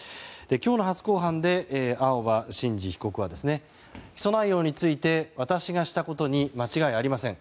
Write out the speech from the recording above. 今日の初公判で青葉真司被告は起訴内容について私がしたことに間違いありません